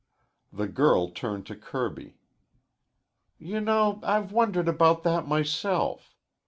The girl turned to Kirby. "You know I've wondered about that myself.